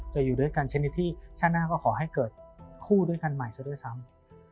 อยู่ด้วยกันชนิดที่ชาติหน้าก็ขอให้เกิดคู่ด้วยกันใหม่ซะด้วยซ้ำ